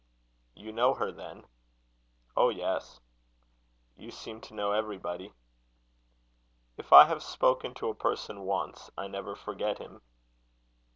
"You know her, then?" "Oh, yes." "You seem to know everybody." "If I have spoken to a person once, I never forget him."